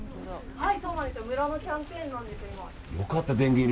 はい。